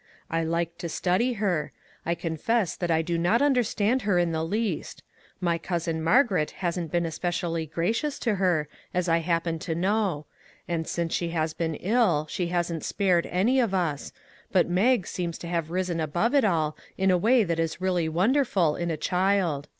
" I like to study her ; I confess that I do not understand her in the least. My cousin Margaret hasn't been especially gracious to her, as I happen to know; and since she has been ill, she hasn't spared any of us, but Mag seems to have risen above it all in a way that is really wonderful in a child.